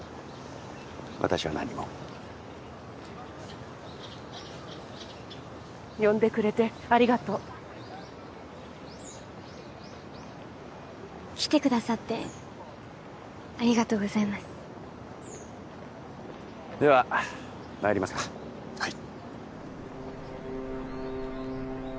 私は何も呼んでくれてありがとう来てくださってありがとうございますではまいりますかはい・